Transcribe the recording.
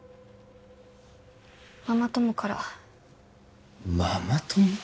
ママ友からママ友？